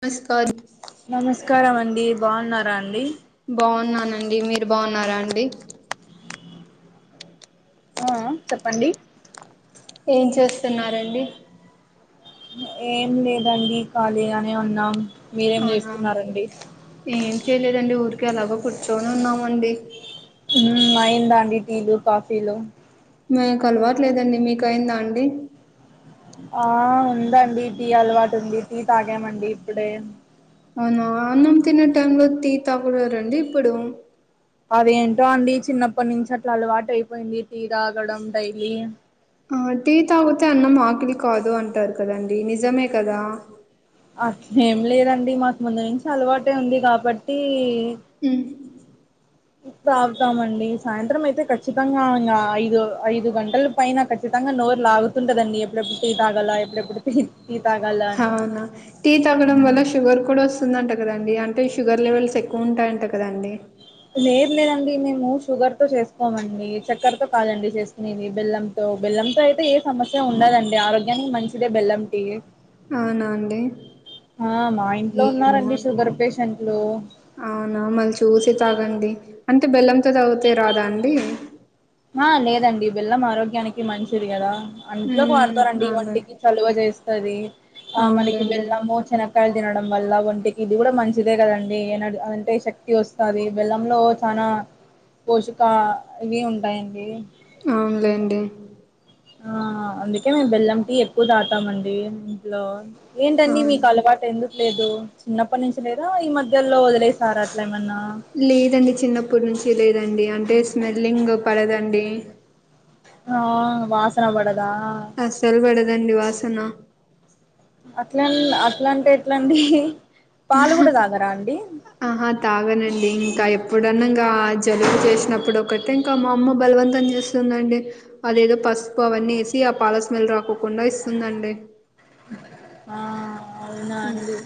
నమస్కార్ నమస్కారం అండి బాగున్నారా అండి బౌనండి మీరు బౌనరా అండి ఆ అ చెప్పండి ఏం చేస్తున్నారండి ఏం లేదండి కాలిగానే ఉన్నాం మీరేం అవునా చేస్తున్నారండి ఏం చేయలేదండి ఊరికె అలాగే కూర్చోని ఉన్నామండి హ్మ్ అయిందండి టీలు కాఫీలు మకు అలవట్లేదండి మీక అయిందా అండి ఆ ఉందండి టీ అలవాటు ఉంది టీ తాగామండి ఇప్పుడే అవున అన్నం తినే టైం లో టీ తాగలేరండి ఇప్పుడు అదేంటో అండి చిన్నప్పటి నుంచి అట్లా అలవాటు అయిపోయింది టీ తగడం డైలీ ఆ టీ తాగితే అన్నం ఆకిలి కాదు అంటారు కదండి నిజమే కదా అ ఏం లేదండి మాకు ముందు నుంచి అలవాటే ఉంది కాబట్టి హ్మ్ తాగుతామండి సాయంత్రం అయితే కాచ్చితంగా ఇం ఐదు ఐదు గంటలు పైన కచ్చితంగా నోరు లాగుతుంటదండి ఎప్పుడెప్పుడు టీ తాగల ఎప్పుడ ఎప్పుడు త అవునా టీ తగ్గడం వల్ల షుగర్ కూడా వస్తుందంట కదాండి అంటే షుగర్ లెవెల్స్ ఎక్కువ ఉంటాయంట కదండి లేేద్ లేదండి మేము షుగర్ తో చేసుకోమండి చక్కరతో కాదండి చేసుకునేది బెల్లం సో బెల్లంతో అయితే ఏ సమస్య ఉండదండి ఆరోగ్యానికి మంచిదే బెల్లం టి అవునా అండి అవునా ఇంట్లో ఏమో ఉన్నారండి అండి షుగర్ పేషెంట్లు అవునా మల్లీ చూసి తాగండి అంటే బెల్లంతో తాగితే రాదా అండి ఆ లేదండి బెల్లం ఆరోగ్యానికి మంచిది కదా అంట్లో ఉమ్ వాడతారండి అవునులే ఒంటికి చలువ చేస్తుంది ఆ మనకి అవునులేండి బెల్లము చిన కాయలు తినడం వల్ల ఒంటికి ఇది కూడా మంచిదే కదండి అంటే శక్తి వస్తుంది బెల్లంలో చనా పోషకా ఇవి ఉంటాయండి అవునులేండి ఆ అందుకే మేము బెల్లం టీ ఎక్కువ దాటామండి ఇంట్లో ఏంటండి అవును మీకు అలవాటు ఎందుకు లేదు చిన్నప్పటి నుంచి లేదా ఈ మధ్యలో వదిలేసారా అట్లా ఏమన్నా లేదండి చిన్నప్పుటి నుంచి లేదండి అంటే స్మెల్లింగ్ పడదండి ఆ వాసన పడదా అసలు పడదండీ వాసన అట్లా అట్లాంటే ట్లాండి పాలు కూడా తాగరా అండి అప్పుడున్నంగా జలుబు చేసినప్పుడు ఒకటే ఇంకా మా అమ్మ బలవంతం చేస్తుందండి అదేదో పసుపు అవన్నీ వేసి ఆ పాల స్మెల్ రాకోకుండా ఇస్తుందండి ఆ మ్మ్. అవునాండి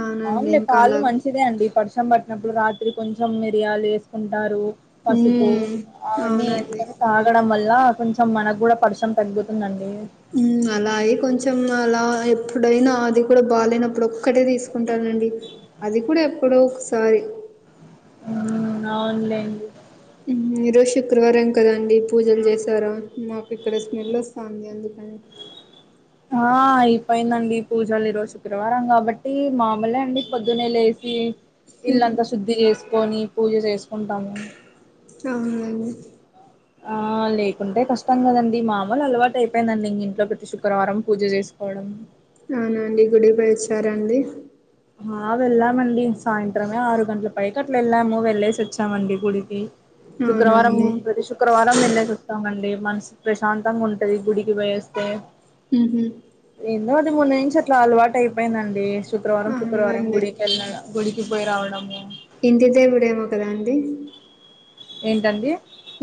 అవునండి అవునడి ఇంకా పాలు అలాగే మంచి ఉట్టిదే అండి పర్సం పట్టినప్పుడు రాత్రి కొంచెం మిరియాలు వేసుకుంటారు పసుపు ఉమ్ అవన్నీ అవునండి వేస్కుని తాగడం వల్ల కొంచెం మనకు కూడా పడిషం తగ్గుతుందండి హ్మ్ అలాగే కొంచెం అలా ఎప్పుడైనా అది కూడా బాగాలేనప్పుడు ఒక్కటే తీసుకుంటానండి అది కూడా ఎప్పుడో ఒకసారి హ్మ్ అవున్లెండి ఈ రోజు శుక్రవారం కదండి పూజలు చేసారా నాకు ఇక్కడ స్మెల్ వస్తాంది ఎందుకు ఆ అయిపోయిందండి పూజలు ఈరోజు శుక్రవారం కాబట్టి మామూలే అండి పొద్దున్నే లేసి ఉమ్ ఇల్లంతా శుద్ధి చేసుకొని పూజ చేసుకుంటాము మేము అవునూలెండి ఆ లేకుంటే కష్టం కదండి మామూలు అలవాటు అయిపోయిందండి ఇం ఇంట్లో ప్రతి శుక్రవారం పూజ చేసుకోవడం అవునండి గుడి పోయి వచ్చారాండి ఆ వెళ్ళామండి సాయంత్రమే ఆరు గంటల పైకి అట్లా వెళ్ళాము వెళ్ళేసి వచ్చామండి గుడికి శుక్రవారం అవునండి ప్రతి శుక్రవారం వెలెస్ వస్తామండి మనసు ప్రశాంతంగా ఉంటంది గుడికి పోయేస్తే హు హుమ్మ్ ఏందో అది ముందు నుంచి అట్లా అలవాటు అయిపోయిందండి శుక్రవారం శుక్రవారం అవునండి గుడికి వెళ్ళిన గుడికి పోయి రావడము ఇంటి దేవుడేమో కదా అండి ఏంటండి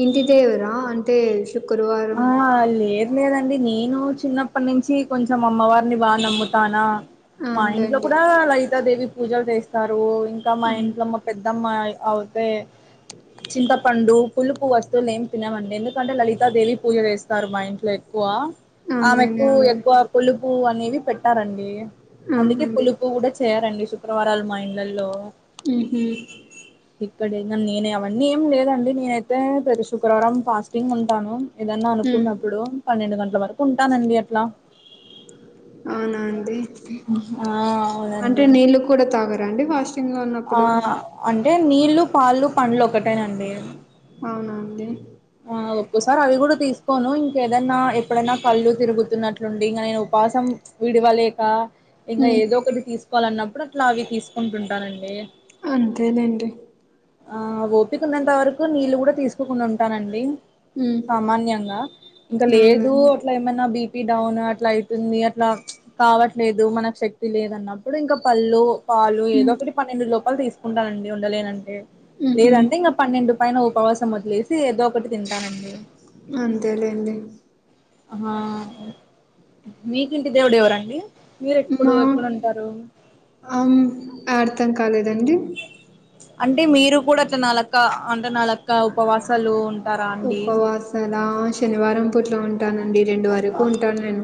ఇంటి దేవరా అంటే శుక్రవారం ఆ లేదు లేదండి నేను చిన్నప్పటి నుంచి కొంచెం అమ్మవారిని బాగా నమ్ముతానా మా ఇంట్లో అవునులేండి కూడా లలితాదేవి పూజలు చేస్తారు ఇంకా మా అవును ఇంట్లో మా పెద్దమ్మ అవ్ తే చింతపండు పులుపు వస్తువులు ఏం తినమండి ఎందుకంటే లలితాదేవి పూజ జేస్తారు మా ఇంట్లో ఎక్కువ అవునులేండి ఆమెకు అవునులే ఎక్కువ పులుపు అనేవి పెట్టారండి అందుకే అవునండి పులుపు కూడా చేయారండి శుక్రవారాలు మా ఇళ్లల్లో మ్మ్ హుమ్ ఇక్కడేనా నేనే అవన్నీ ఏం లేదండి నేనైతే ప్రతి శుక్రవారం ఫాస్టింగ్ ఉంటాను ఏదన్నా ఉమ్ అనుకున్నప్పుడు పన్నెండు గంటల వరకు ఉంటానండి అట్లా అవునా అండి ఆ అంటే అవునండి నీళ్ళు కూడా తాగరాండి వాస్ ఆ అంటే నీళ్ళ పాలు పండ్లు ఒకటేనండి అవునా అండి ఆ ఒక్కోసారి అవి కూడా తీసుకోను ఇంక ఏదైనా ఎప్పుడైనా కళ్ళు తిరుగుతున్నట్లుండి నేను ఉపాసం విడువలేక ఇంకా ఉమ్ ఏదో ఒకటి తీసుకోవాల అన్నప్పుడు అట్లా అవి తీసుకుంటానండి అంతే లేండి ఆ ఓపికన్నంత వరకు నీళ్ళు కూడా తీసుకోకుండా ఉంటానండి ఉమ్ సామాన్యంగా ఇంకా లేదు అవునండి అట్లా ఏమైన్నా బిపీ డౌన్ అట్లా అయితుంది అట్లా ప్చ్ కావట్లేదు మనకు శక్తి లేదన్నప్పుడు ఇంకా పల్లు పాలు ఏదో ఉమ్ ఒకటి పన్నెండు లోపలు తీసుకుంటానండి ఉండలేనంటే ఉహు లేదంటే ఇంకా పన్నెండు పైన ఉపవాసం వదిలేసి ఏదో ఒకటి తింటానండి అంతే లేండి ఆ మీకు ఇంటి దేవుడు ఎవరండి మీరు ఎప్పుడు మా ఎప్పుడుంటారు అం అర్థం కాలేదండి అంటే మీరు కూడా అట్లా నాలక్క అంటే నాలక్క ఉపవాసాలు ఉంటారా అండి ఉపవాసలా శనివారం పుట్లో ఉంటానండి రెండు వరకు ఉంటానండి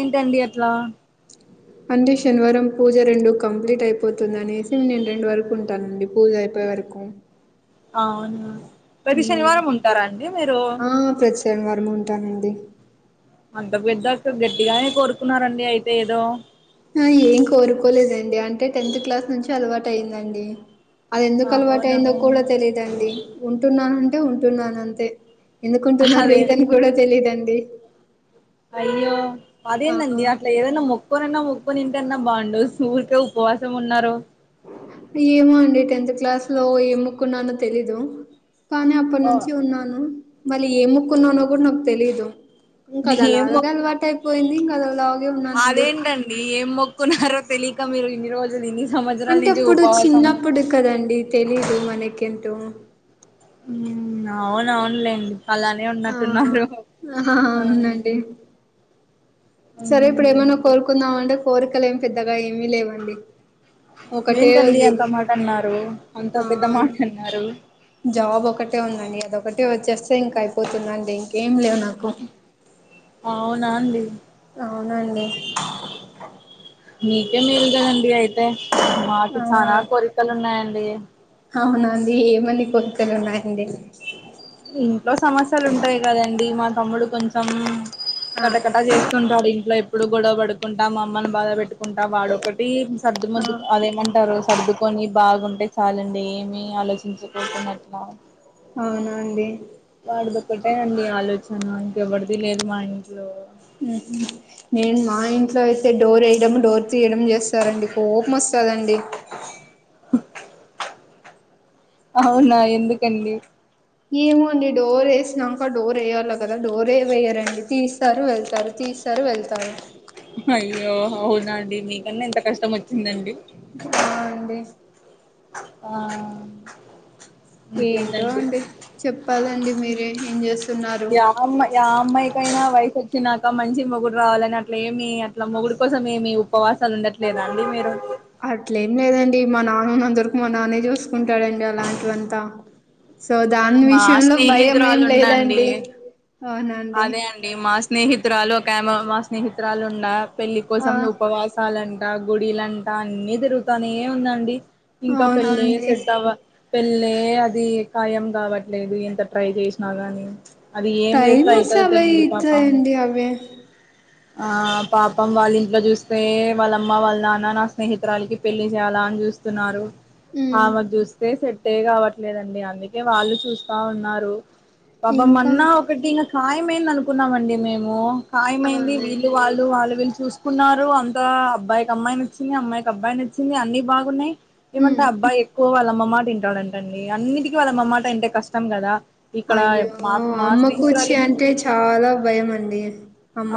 ఏంటండి అట్లా అంటే శనివారం పూజ రెండు కంప్లీట్ అయిపోతుంది అనేసి నేను రెండు వరకు ఉంటానండి పూజా అయిపోయే వరకు అవునా ప్రతి శనివారం ఉంటారా అండి మీరు ఆ ప్రతి శనివారం ఉంటానండి అంత పెద్ద అక్క గట్డిగానే కోరుకున్నారండి అయితే ఏదో ఏం కోరుకోలేదండి అంటే టెన్త్ క్లాస్ నుంచి అలవాటు అయ్యిదండి అది ఎందుకు అలవాటు అవునా అయిందో కూడా తెలీదండి ఉంటున్నానంటే ఉంటున్నానంతే ఎందుకుంటున్నా అదే రీజన్ కూడా తెలీదండి అయ్యో ఆ అదేందండి అట్ అట్లా ఏదన్నా మొక్కొకున్నా మొక్కొని ఉంటానన్న బాగుండు సూరిక ఉపవాసం ఉన్నారు ఏమో అండి టెన్త్ క్లాస్ లో ఎంమోక్కుకున్నానో తెలీదు కానీ ఓ అప్పటినుంచి ఉన్నాను మళ్ళీ ఏం మొక్కున్నానో కూడా నాకు తెలీదు ఇంకా అది ఏం అలాగే మొక్కు అలవాటు అయిపోయింది ఇంకా అది అలాగే ఉన్నానండి ఏంటండీ ఏం మొక్కున్నారో తెలియక మీరు ఇన్ని రోజులు ఇన్ని సంవత్సరాల అంటే నుంచి అప్పుడు ఉపవాసం చిన్నప్పుడు కదండి తెలీదు మనకెంటో హ్మ్ అవును అవునులేండి అలానే ఆ ఉన్నట్టున్నారు ఆహా ఉ అవునండి సరే ఇప్పుడు మ్మ్ ఏమైన్నా కోరుకుందాం అంటే కోరికలు ఏం పెద్దగా ఏమీ లేవు. ఏంటండి అంత మాట అన్నారు అంత ఆ పెద్ద మాట అన్నారు జాబ్ ఒకటే ఉందండి అదొకటే వచ్చేస్తే ఇంక అయిపోతుందండి ఇంకేం లేవు నాకు అవునా అండి అవునండి మీకే మేలు కదండి అయి అంతే మాకి ఆ చానా కోరికలు ఉన్నాయండి అవునా అండి ఏమని కోరికలు ఉన్నాయండి ఇంట్లో సమస్యలు ఉంటాయి కదండి మా తమ్ముడు కొంచెం ఆ కటకటా చేస్ కుంటాడు ఇంట్లో ఎప్పుడు గొడవ పడుకుంటా మా అమ్మని బాధ పెట్టుకుంటా వాడు ఒకటి సర్దు ఆ ముద్దు అదేమంటారు సర్దుకొని బాగుంటే చాలండి ఏమి ఆలోచించకొకున్నట్లా అవునా అండి వాడిదొక్కటే అండి ఆలోచన ఇంకెవరిది లేదు మా ఇంట్లో ఉహుమ్ నేను మా ఇంట్లో అయితే డోర్ వేయడం డోర్ తీయడం చేస్తారండి కోపం వస్తదండి. ఉహ్ అవునా ఎందుకండి ఏమోండి డోర్ వేసినాక డోర్ వేయాలి కదా డోర్ ఏ వేయ్యరండి తీస్తారు వెళ్తారు తీస్ తీస్తారు వెళ్తారు అయ్యో అవునా అండి మీకన్నా ఎంత కష్టం వచ్చిందండి హ అండి ఆ ఏంటో ఇంకేంటండి అంటే చెప్పాలండి మీరే ఏం చేస్ యామై ఆ అమ్మాయికైనా వయసు వచ్చినాక మంచి మొగుడు రావాలని అట్ల ఏమి అట్లా మొగుడు కోసం ఏమి ఉపవాసాలు ఉండట్లేదండి మీరు అట్ల ఏం లేదండి మా నాన్నన్నందవరకు మా నాన్నే చూసుకుంటాడండి అలాంటివంతా సో దాని మా విషయంలో భయం ఏం స్నేహితురాలు ఉందండి లేదండి అవునండి అదే అండి మా స్నేహితురాలు ఒక మా స్నేహితురాలు ఉండ పెళ్ళి ఆ కోసం ఉపవాసం సాలంట గుడిలంట అన్ని తిరుగుతానే ఉందండి ఇంకా పెళ్ళి అవునండి సెటవ పెళ్ళి అది కాయం కావట్లేదు ఎంత ట్రై చేసినా గానీ అది ఏం టైం చేస్తా వస్తే అయితుందో అవే తెలిదు పాపం ఇస్తాయండి అవే ఆ పాపం వాళ్ళ ఇంట్లో చూస్తే వాళ్ళమ్మ వాళ్ళ నాన్న నా స్నేహితురాలకి పెళ్లి చేయాలా అని చూస్త తున్నారు ఆమెకు చూస్తే సెట్టే కావట్లేదండి అందుకే వాళ్ళు చూస్తా ఉన్నారు పాపం ఇంకా మన్న ఒకటి ఇంకా కాయం ఐయంది అనుకున్నామండి మేము కాయమైంది అవునండి వీళ్ళు వాళ్ళు వాళ్ళు వీళ్ళు చూస్ కున్నారు అంత అబ్బాయికి అమ్మాయి నచ్చింది అమ్మాయికి అబ్బాయి నచ్చింది అన్ని బాగున్నాయి ఏమంటే అబ్బాయి ఎక్కువ వాళ్ళమ్మ మాట వింటాడంటండి అన్నిటికి వాళ్ళ అమ్మమాట అంటే కష్టం కదా ఇక్కడ అయ్యో మా మా అమ్మ కూర్చి స్నేహితురాలికి అంటే చాలా భయం అండి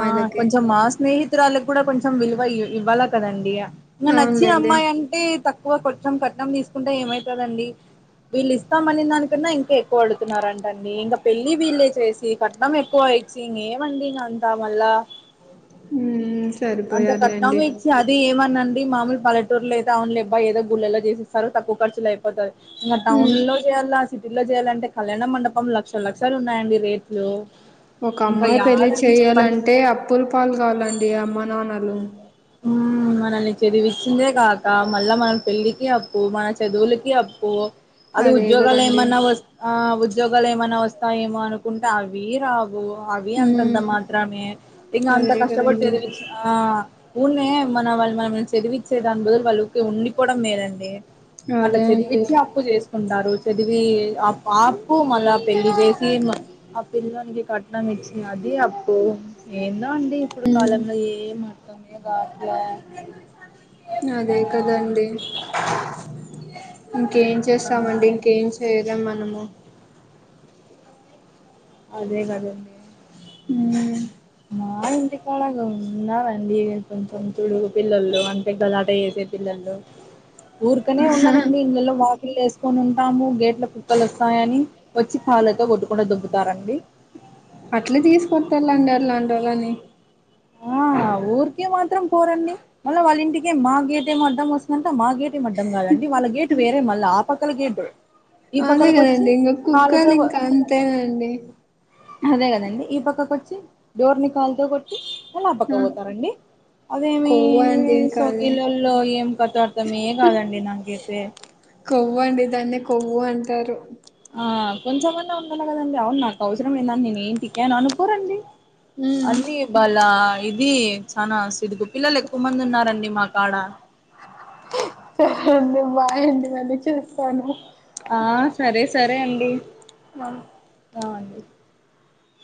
ఆ కొంచెం మా స్నేహితురాలకు కూడా కొంచెం విలువ ఇవ్వాలా కాదాండి ఇగ ఇక నచ్చి అవునులేండి అమ్మాయి అంటే తక్కువ కొంచెం కట్నం తీసుకుంటే ఏమైతుందండి వీళ్ళు ఇస్తామ అని దాని కన్నా ఇంకా ఎక్కువ అడుతున్నారంటన్ని ఇంకా పెళ్లి వీళ్ళే చేసి కట్నం ఎక్కువ సంగ్ ఏమండి అంతా మళ్ళా ఊమ్ అంత కట్నం సరిపోయారులేండి ఇచ్చి అది ఏమన అండి మామలు పల్లెటూరులో ఐతే అవునుల అబ ఏదో గులలో చేసిస్తరు తక్కువ ఖర్చులో అయిపోతాది ఇంకా టౌన్ మ్మ్ లో చేయాలా సిటీలో చేయాలంటే కళ్యాణ మండపం లక్షల లక్షాలు ఉన్నాయండి రేట్లు ఒక ఇంకా అమ్మాయి పెళ్ళి యాడండి చెప్పండి చేయ్యాలంటే అప్పుల పాలు కావాలండి అమ్మ నాన్నలు ఊ మనల్ని చదివిస్తుందే కాక మళ్ళ మన పెళ్ళికి అప్పు మన చదువులకి అప్పు అది అదే ఉద్యోగాలు కదండి ఏమన్నా వస్ ఆ ఉద్యోగాలు ఏమనా వస్తాయేమో అనుకుంటే అవి రావ్ అవి మ్మ్ అంతంత మాత్రమే ఇగా అంత అదే కష్టపడి కదండి చదివిచ్ ఆ ఊన్నే మన వాళ్ళు మన చదివిచ్చే దాని బదులు వాళ్ళు ఊరికే ఉండిపోవడం మేలండి అలా అదే అండి చదివిచ్చి అప్పు చేసుకుంటారు చదివి అప్ పాప్పు మళ్ళ పెళ్లి చేసి ఆ పిలనికి కట్నం ఇచ్చి అది అప్పు ఏందా అండి ఇప్పుడు మ్మ్ కాలంలో ఏమి అర్థం కాట్లా అదే కదండి ఇంకేం ఆ చేస్తామండి ఇంకేం లేరం మనము అదే గదా అండీ ఊ మా ఇంటికిలాగా ఉన్నారండి కొంచెం చడుగు పిల్లలు అంతే గ ఆట చేసే పిల్లలు ఊరుకనే ఉన్నారండి ఇండ్లలో వాకిల్ వేసుకొని ఉంటాము గేట్ ఇట్లా కుక్కలు వస్తాయని వచ్చి కాలతో కొట్టుకుండా దుంపుతారండి అట్లే తీసుకొట్టుంనారండి అలాంటి వాళ్ళని ఆ ఊరికే మాత్రం పోరండి మళ్ళ వాళ్ళ ఇంటికే మా గేటేమో అడ్డం వస్తుందంట మా గేటేమ్ అడ్డం గాదండి వాళ్ళ గేట్ వేరే మళ్ళ ఆ పక్కల గేట్ అదే గదండి ఇంగ కాళ్ళతో కుక్కలు ఇంకా అంతేనండి అదే గదండి ఈ పక్కకొచ్చి డోర్ ని కాల్తో గొట్టి వాల్లా ఆ పక్కకు పోతారండి అదేమీ కొవ్వు అండి ఇంకా అదే సోకిలోల్లో ఏం కథొ అర్ధమే కాదండి నాకైతే కొవ్వు అండి దాన్నే కొవ్వు అంటారు ఆ కొంచెమన్న ఉండాలె గదండి అవును నాకు అవసరం ఏందని నేను ఏం తియ్యను అనుకోరండి ఉమ్ అన్నీ వాల్లా ఇది చానా సిద్గు పిల్లలెక్కువ మంది ఉన్నారండి మా కాడ మి ఫ్రెండ్ మా ఇంటి కాన్నుండి చూస్తానా ఆ సరే సరే అండి ఆ అండి